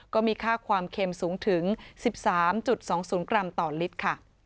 ก็มีค่าความเค็มสูงถึง๑๓๒๐กรัมต่อลิตรค่ะ